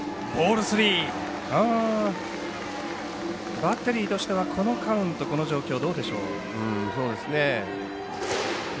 バッテリーとしてはこのカウント、この状況どうでしょう。